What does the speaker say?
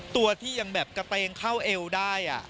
ตัวที่ยังแบบกระเตงเข้าเอวได้